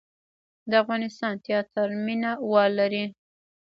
د افغانستان تیاتر مینه وال لري